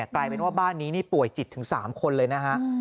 กลายเป็นว่าบ้านนี้นี่ป่วยจิตถึง๓คนเลยนะฮะ